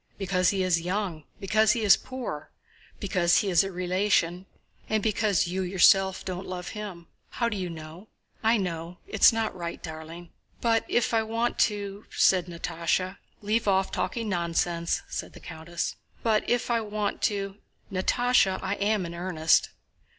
"Because he is young, because he is poor, because he is a relation... and because you yourself don't love him." "How do you know?" "I know. It is not right, darling!" "But if I want to..." said Natásha. "Leave off talking nonsense," said the countess. "But if I want to..." "Natásha, I am in earnest..."